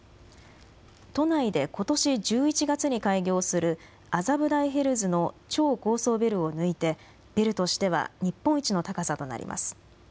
都内でことし１１月に開業する麻布台ヒルズの超高層ビルを抜いて、ビルとしては日本一の高さとなります。